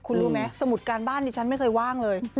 คุณรู้ไหมสมุดการบ้านดิฉันไม่เคยว่างเลย